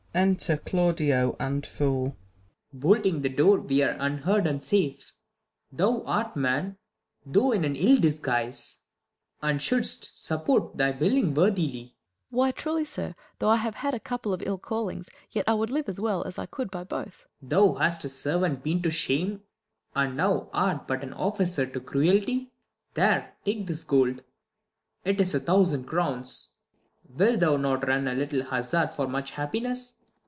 Enter Ci^vudio and Fool. Claud. Bolting the door we are unheard and safe. Thou art a man, though in an ill disguise ; THE LAW AGAINST LOVERS. 183 And should'st support thy being worthily. Fool. Why, truly sir, tliough I have had a couple Of ill callings, yet I would live as well As I could by botli. Claud. Thou hast a servant been to shame, and now Art but an officer to cruelty. There, take this gold ! it is a thousand crowns. Wilt thou not run a little hazard for Much happiness